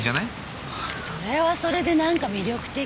それはそれで何か魅力的。